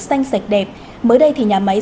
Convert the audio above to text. xanh sạch đẹp mới đây thì nhà máy